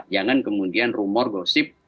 jangan kemudian rumor gosip